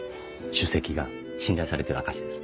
首席が信頼されてる証しです。